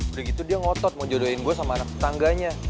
udah gitu dia ngotot mau jodohin gue sama anak tetangganya